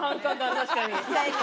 確かに。